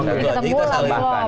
ketemu lah klop